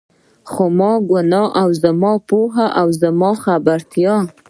خو زما ګناه، زما پوهه او خبرتيا ده.